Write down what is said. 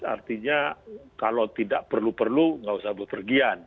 artinya kalau tidak perlu perlu nggak usah berpergian